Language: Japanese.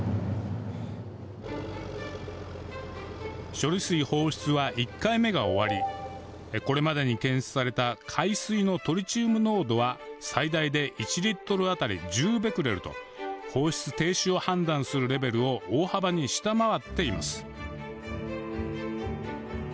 処理水放出は１回目が終わりこれまでに検出された海水のトリチウム濃度は最大で１リットル当たり１０ベクレルと放出停止を判断するレベルを大幅に下回っています。